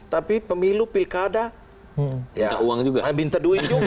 tapi pemilu pilkada minta uang juga minta duit juga